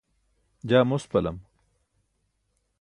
jaa mospalam